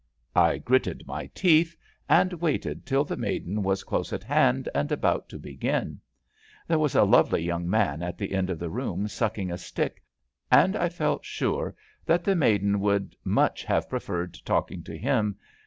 I gritted my teeth, and waited till the maiden was close at hand and about to begin. There was a lovely young man at the end of the room suck ing a stick, and I felt sure that the maiden would much have preferred talking to him.